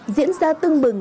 diễn ra tưng bừng